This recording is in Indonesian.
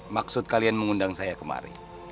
maksud kalian mengundang saya kemari